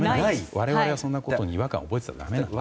我々はそんなことに違和感を覚えていたらだめなんです。